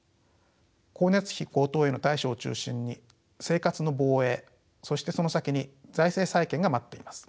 光熱費高騰への対処を中心に生活の防衛そしてその先に財政再建が待っています。